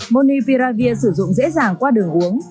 moni piravir sử dụng dễ dàng qua đường uống